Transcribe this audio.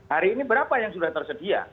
hari ini berapa yang sudah tersedia